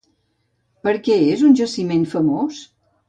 Per què és un jaciment famós?